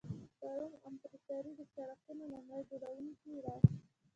د روم امپراتوري د سړکونو لومړي جوړوونکې وه.